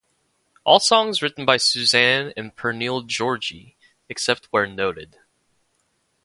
All songs written by Susanne and Pernille Georgi, except where noted.